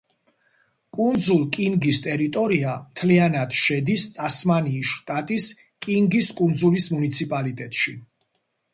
კუნძულ კინგის ტერიტორია მთლიანად შედის ტასმანიის შტატის კინგის კუნძულის მუნიციპალიტეტში.